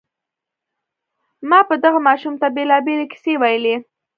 ما به دغه ماشوم ته بېلابېلې کيسې ويلې.